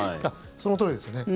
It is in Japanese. そのとおりですよね。